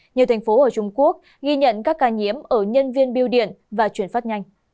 nhiều thành phố ở trung quốc ghi nhận các ca nhiễm ở nhân viên biêu điện và chuyển phát nhanh